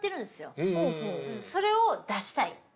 それを出したい。